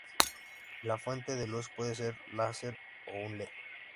La fuente de luz puede ser láser o un led.